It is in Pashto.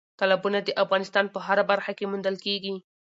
تالابونه د افغانستان په هره برخه کې موندل کېږي.